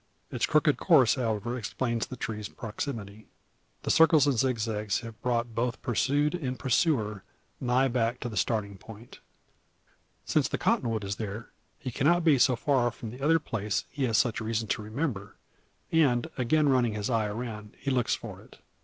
Its crooked course, however, explains the tree's proximity. The circles and zig zags have brought both pursued and pursuer nigh back to the starting point. Since the cottonwood is there, he cannot be so far from the other place, he has such reason to remember; and, again running his eye around, he looks for it.